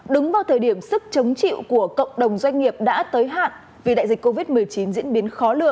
đúng vào thời điểm sức chống chịu của cộng đồng doanh nghiệp đã tới hạn vì đại dịch covid một mươi chín diễn biến khó lường